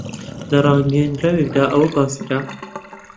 لە ڕاگەیەندراوێکدا ئەوە باس کرا